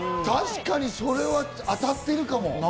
確かにそれは当たってるかも。